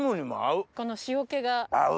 この塩気が。合う。